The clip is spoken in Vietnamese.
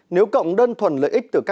nếu cộng đơn thuần lợi ích từ các fta